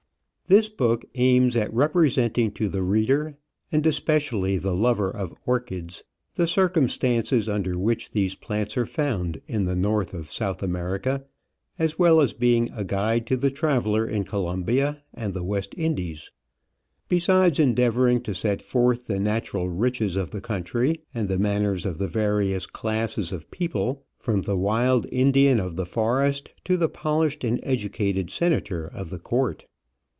This Book aims at representing to the reader, and especially the lover of orchids, the circumstances under which these plants are found in the north of South America, as well as being a guide to the traveller in Colombia and the West Indies; besides endeavouring to set forth the natural riches of the country and the manners of the various classes of people, from the wild Indian of the forest to the polished and edu cated senator of the Court.